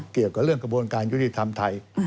เกี่ยวกับเรื่องกระบวนการยุติธรรมไทย